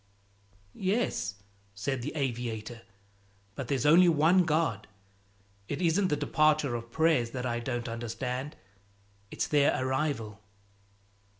"Yes," said the aviator, "but there's only one God. It isn't the departure of prayers that I don't understand; it's their arrival."